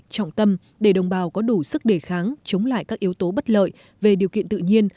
trọng tâm để đồng bào có đủ sức đề kháng chống lại các yếu tố bất lợi về điều kiện tự nhiên